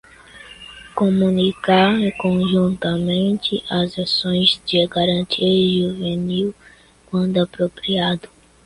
Comunicar conjuntamente as ações de garantia juvenil, quando apropriado.